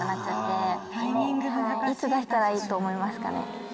いつ出したらいいと思いますかね？